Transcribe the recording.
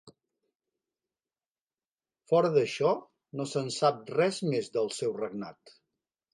Fora d'això no se'n sap res més del seu regnat.